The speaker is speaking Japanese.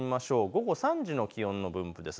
午後３時の気温の分布です。